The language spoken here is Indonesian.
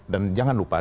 dan jangan lupa